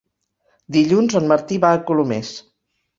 Dilluns en Martí va a Colomers.